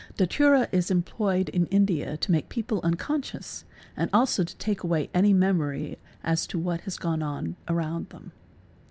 Datura is employed in India to make people unconscious and also to x ake away any memory as to what has gone on around them.